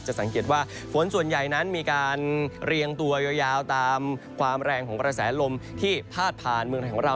สังเกตว่าฝนส่วนใหญ่นั้นมีการเรียงตัวยาวตามความแรงของกระแสลมที่พาดผ่านเมืองไทยของเรา